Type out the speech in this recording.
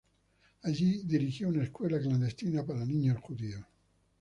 Allí dirigió una escuela clandestina para niños judíos.